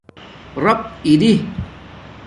ریپ اری